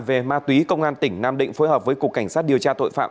về ma túy công an tỉnh nam định phối hợp với cục cảnh sát điều tra tội phạm